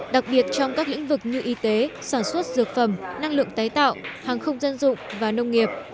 đặc biệt trong các lĩnh vực như y tế sản xuất dược phẩm năng lượng tái tạo hàng không dân dụng và nông nghiệp